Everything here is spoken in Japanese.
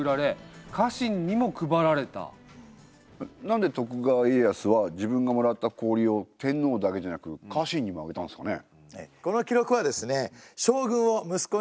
何で徳川家康は自分がもらった氷を天皇だけじゃなく家臣にもあげたんですかね？